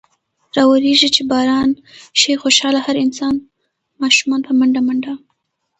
راورېږي چې باران۔ شي خوشحاله هر انسان ـ اشومان په منډه منډه ـ